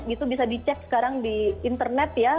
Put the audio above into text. itu bisa dicek sekarang di internet ya